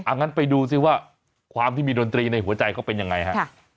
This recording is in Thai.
งั้นไปดูสิว่าความที่มีดนตรีในหัวใจเขาเป็นยังไงฮะ